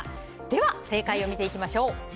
では正解を見ていきましょう。